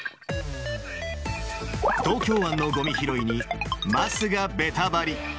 東京湾のごみ拾いに桝がベタバリ！